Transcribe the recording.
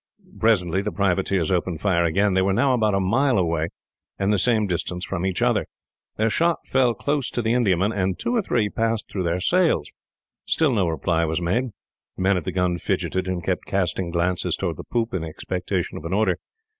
Presently the privateers opened fire again. They were now about a mile away, and the same distance from each other. Their shot fell close to the Indiaman, and two or three passed through her sails. Still no reply was made. The men at the guns fidgeted, and kept casting glances towards the poop, in expectation of an order.